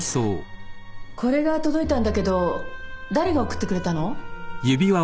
これが届いたんだけど誰が送ってくれたの？